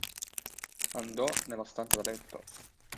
Andò nella stanza da letto.